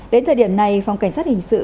đến thời điểm này phòng cảnh sát hình sự